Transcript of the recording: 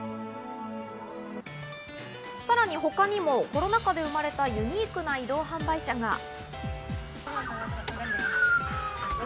さらに他にもコロナ禍で生まれたユニークな移動販売車が。